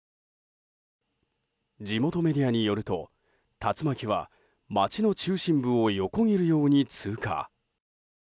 地元メディアによると竜巻は、街の中心部を横切るように通過。